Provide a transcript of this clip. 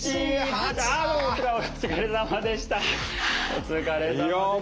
お疲れさまでした！